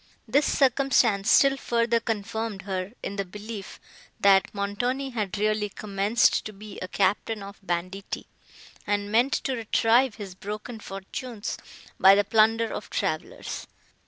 This circumstance still further confirmed her in the belief, that Montoni had really commenced to be a captain of banditti, and meant to retrieve his broken fortunes by the plunder of travellers!